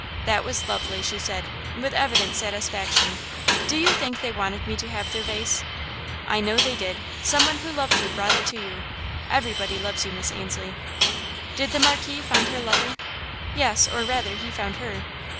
"That was lovely," she said, with evident satisfaction. "Do you think they wanted me to have their vase?" "I know they did. Some one who loved you brought it to you. Everybody loves you, Miss Ainslie." "Did the Marquise find her lover?" "Yes, or rather, he found her."